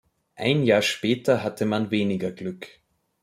Ein Jahr später hatte man weniger Glück.